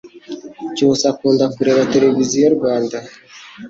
cyusa akunda kureba televiziyo rwanda